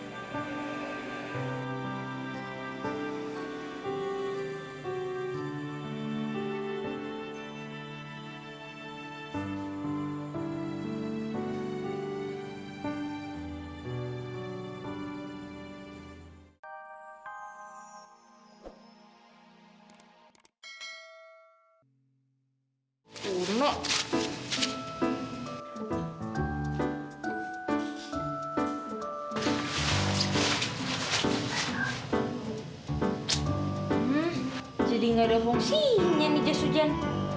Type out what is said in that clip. hmm jadi gak ada fungsinya nih jasujan